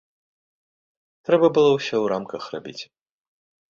Трэба было ўсё ў рамках рабіць.